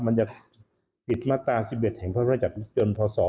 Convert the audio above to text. มันจะผิดมาตรา๑๑แห่งพฤติการจัดลูกจนพศ๒๕๒๒